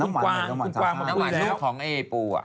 น้ำหวานเป็นเพื่อนของไอปูอ่ะ